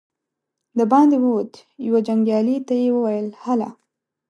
د باندې ووت، يوه جنګيالي ته يې وويل: هله!